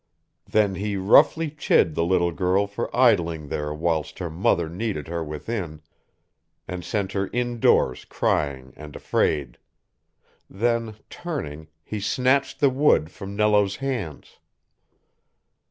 Then he roughly chid the little girl for idling there whilst her mother needed her within, and sent her indoors crying and afraid: then, turning, he snatched the wood from Nello's hands.